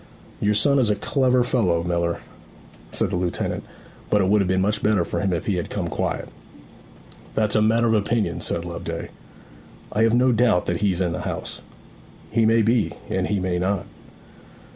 'Your son is a clever fellow, miller,' said the lieutenant; 'but it would have been much better for him if he had come quiet.' 'That's a matter of opinion,' said Loveday. 'I have no doubt that he's in the house.' 'He may be; and he may not.'